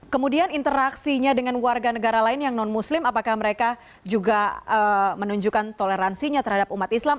kemudian interaksinya dengan warga negara lain yang non muslim apakah mereka juga menunjukkan toleransinya terhadap umat islam